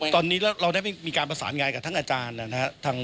ตอนนี้เราได้มีการประสานงานกับทั้งอาจารย์นะครับ